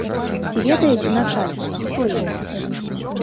Ці ведае начальства, хто яны?